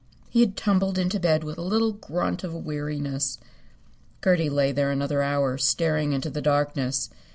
He had tumbled into bed with a little grunt of weariness. Gertie lay there another hour, staring into the darkness.